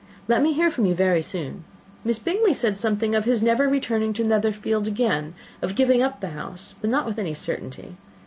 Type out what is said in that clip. Let me hear from you very soon. Miss Bingley said something of his never returning to Netherfield again, of giving up the house, but not with any certainty.